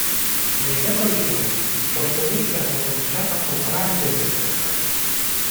Nei secoli seguenti, i portoghesi hanno cominciato a comprare delle terre.